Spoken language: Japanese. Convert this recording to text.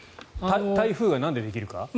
台風はなんでできるか？